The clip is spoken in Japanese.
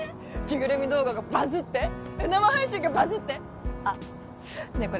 着ぐるみ動画がバズって生配信がバズってあっねえ